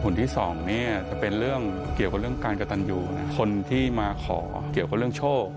ที่สองเนี่ยจะเป็นเรื่องเกี่ยวกับเรื่องการกระตันอยู่คนที่มาขอเกี่ยวกับเรื่องโชค